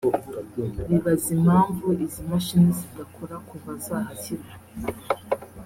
bibaza impamvu izi mashini zidakora kuva zahashyirwa